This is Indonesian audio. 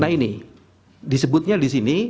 nah ini disebutnya disini